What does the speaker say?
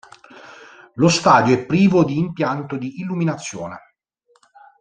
Lo stadio è privo di impianto di illuminazione.